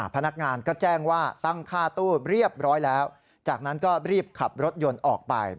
พนักงานก็แจ้งว่าตั้งค่าตู้เรียบร้อยแล้วจากนั้นก็รีบขับรถยนต์ออกไป